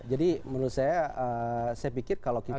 jadi menurut saya saya pikir kalau kita